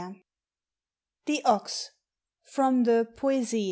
350 THE OX. FROM THE " POUSIE."